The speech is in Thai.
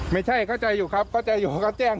ไม่ใช่เข้าใจอยู่ครับเข้าใจอยู่เขาก็แจ้ง